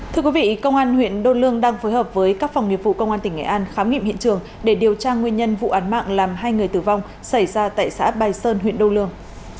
thưa quý vị công an huyện đô lương đang phối hợp với các phòng nghiệp vụ công an tỉnh nghệ an khám nghiệm hiện trường để điều tra nguyên nhân vụ án mạng làm hai người tử vong xảy ra tại xã bài sơn huyện đô lương